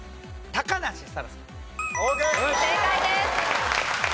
正解です。